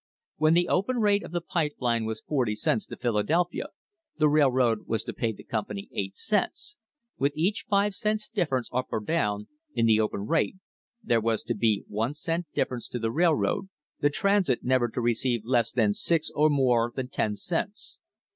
When the open rate of the pipe line was forty cents to Philadelphia the railroad was to pay the company eight cents with each five cents difference, up or down, in the open rate, there was to be one cent difference to the railroad, the Transit never to receive less than six or more than ten cents.